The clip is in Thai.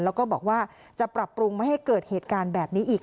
แล้วก็บอกว่าจะปรับปรุงไม่ให้เกิดเหตุการณ์แบบนี้อีก